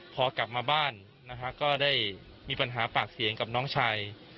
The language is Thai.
พอกลับมาบ้านนะคะก็ได้มีปัญหาปากเสียงกับน้องชาย